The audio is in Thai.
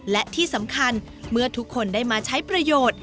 และที่สำคัญเมื่อทุกคนได้มาใช้ประโยชน์